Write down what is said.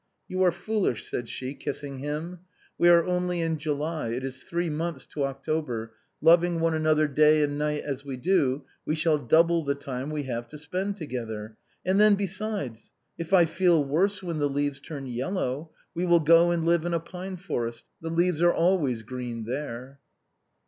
" You are foolish," said she, kissing him, " we are only in July, it is three months to October, loving one another day and night as we do, we shall double the time we have to spend together. And then, besides, if I feel worse when the leaves turn yellow, we will go and live in a pine forest, the leaves are always green there.